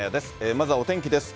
まずはお天気です。